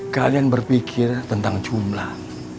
kalian berpikir tentang jumlah